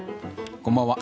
こんばんは。